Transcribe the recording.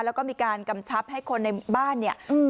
แล้วก็มีการกำชับให้คนในบ้านเนี่ย